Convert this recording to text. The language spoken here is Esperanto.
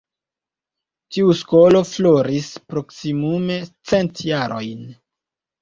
Tiu skolo floris proksimume cent jarojn.